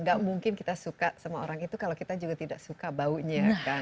gak mungkin kita suka sama orang itu kalau kita juga tidak suka baunya kan